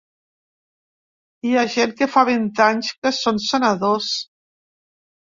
Hi ha gent que fa vint anys que són senadors.